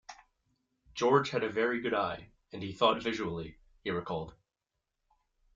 "George had a very good eye, and he thought visually," he recalled.